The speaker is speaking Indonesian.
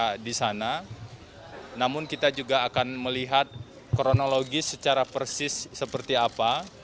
kita di sana namun kita juga akan melihat kronologis secara persis seperti apa